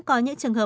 tại vì nhà em ở đấy